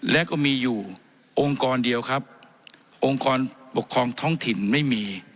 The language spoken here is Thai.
และก็มีอยู่องค์กรเดียวครับองค์กรปกครองท้องถิ่นไม่มี